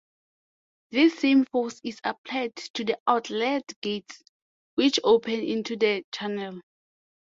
This same force is applied to the outlet gates, which open into the channel.